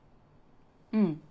うん。